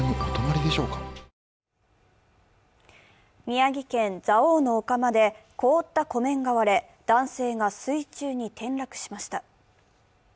宮城県・蔵王のお釜で凍った湖面が割れ男性が水中に転落しました。